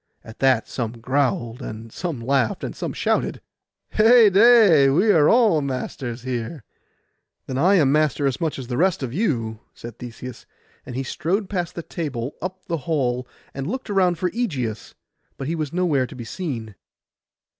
At that some growled, and some laughed, and shouted, 'Heyday! we are all masters here.' 'Then I am master as much as the rest of you,' said Theseus, and he strode past the table up the hall, and looked around for Ægeus; but he was nowhere to be seen.